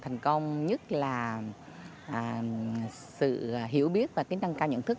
thành công nhất là sự hiểu biết và cái năng cao nhận thức